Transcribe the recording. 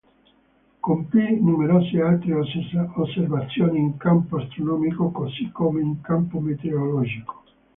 Compì numerose altre osservazioni in campo astronomico così come in campo meteorologico.